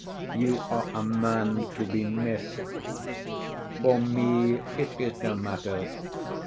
You are a man to be missed. For me it is no matter.